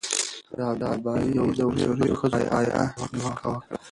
رابعې د اوسنیو ښځو په حیا نیوکه وکړه.